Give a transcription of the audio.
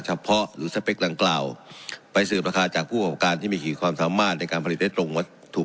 เฉพาะหรือกล่าวไปสืบราคาจากผู้ก่ออกการที่มีความสามารถในการผลิตได้รมบทถูก